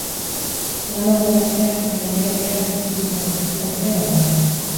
Lan hauen artean, jaialdiak berak ekoiztutako piezak ere badaude.